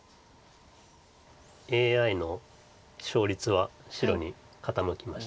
ＡＩの勝率は白に傾きました。